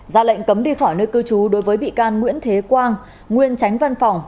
ra lệnh cấm đi khỏi nơi cư trú đối với bị can nguyễn thế quang nguyên tránh văn phòng